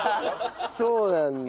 そうなんだ。